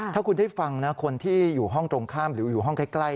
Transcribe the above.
ถ้าคุณได้ฟังนะคนที่อยู่ห้องตรงข้ามหรืออยู่ห้องใกล้